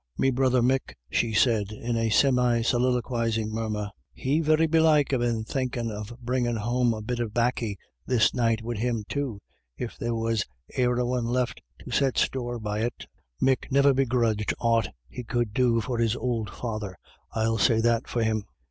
u Me brother BACKWARDS AND FORWARDS. 253 Mick," she said, in a semi soliloquising murmur, "he'd very belike ha' been thinkin' of bringin' home a bit of baccy this night wid him, too, if there was e'er a one left to set store by it Mick niver begrudged aught he could do for his ould father, I'll say that for him.